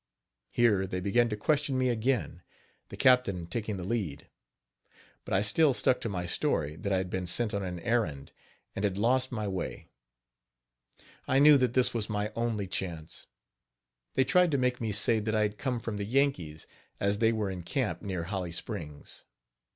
Here they began to question me again the captain taking the lead; but I still stuck to my story that I had been sent on an errand, and had lost my way. I knew that this was my only chance. They tried to make me say that I had come from the Yankees, as they were in camp near Holly Springs.